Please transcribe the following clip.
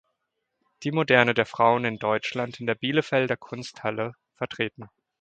Die Moderne der Frauen in Deutschland" in der Bielefelder Kunsthalle vertreten.